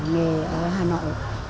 nghề ở hà nội